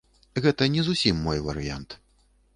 Гэта не зусім мой варыянт.